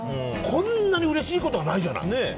こんなにうれしいことはないじゃない。